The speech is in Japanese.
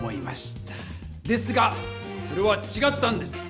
ですがそれはちがったんです。